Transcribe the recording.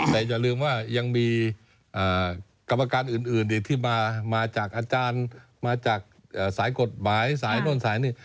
แต่อย่าลืมว่ายังมีกรรมการอื่นที่มาจากอาจารย์มาจากสายกฎหมายสายโน่นสายนี่